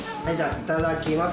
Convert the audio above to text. いただきます。